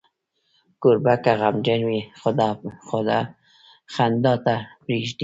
کوربه که غمجن وي، خندا نه پرېږدي.